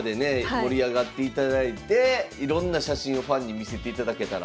盛り上がっていただいていろんな写真をファンに見せていただけたら。